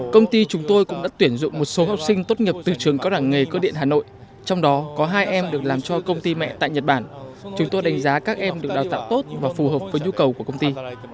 công ty chúng tôi cũng đã tuyển dụng một số học sinh tốt nghiệp từ trường cao đẳng nghề cơ điện hà nội trong đó có hai em được làm cho công ty mẹ tại nhật bản chúng tôi đánh giá các em được đào tạo tốt và phù hợp với nhu cầu của công ty